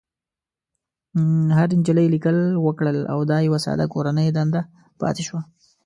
هرې نجلۍ ليکل وکړل او دا يوه ساده کورنۍ دنده پاتې شوه.